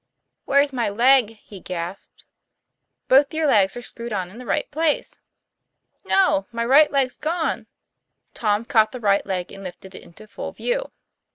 " Where's my leg ?' he gasped. :< Both your legs are screwed on in the right place." 'No: my right leg's gone. " Tom caught the right leg and lifted it into full vew.